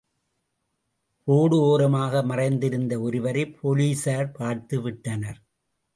Road ஒரமாக மறைந்திருந்த ஒருவரை போலீஸார் பார்த்து விட்டனர்.